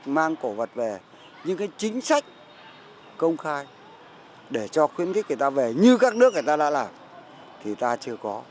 mang cổ vật về những cái chính sách công khai để cho khuyến khích người ta về như các nước người ta đã làm thì ta chưa có